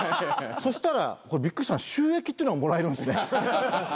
そしたらびっくりしたのが収益っていうのがもらえるんすね。